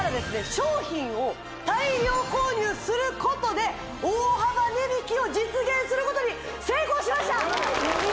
商品を大量購入することで大幅値引きを実現することに成功しました